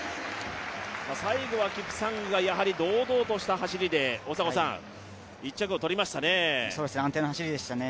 最後はキプサングが堂々とした走りで１着を取りましたね。